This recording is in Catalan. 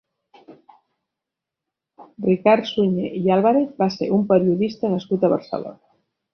Ricard Suñé i Álvarez va ser un periodista nascut a Barcelona.